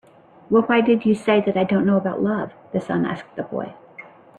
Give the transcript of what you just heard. "Well, why did you say that I don't know about love?" the sun asked the boy.